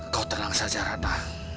kau tenang saja ratna